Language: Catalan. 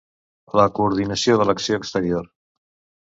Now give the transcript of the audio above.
La coordinació de l'acció exterior.